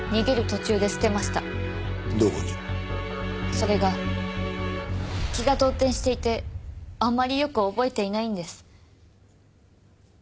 それが気が動転していてあんまりよく覚えていないんです。